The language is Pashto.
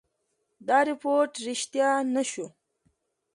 دا رپوټ ریشتیا نه شو.